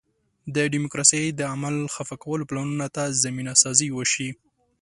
د ډیموکراسۍ د عمل خفه کولو پلانونو ته زمینه سازي وشي.